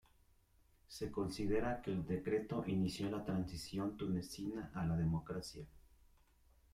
Se considera que el decreto inició la transición tunecina a la democracia.